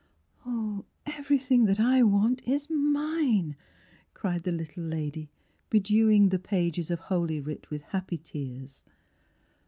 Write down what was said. Everything that I want is mine!" cried the little lady, bedewing the pages of Holy Writ with happy tears.